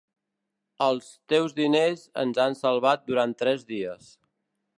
Els teus diners ens han salvat durant tres dies.